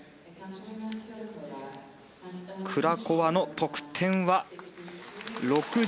クラコワの得点は６３．４６。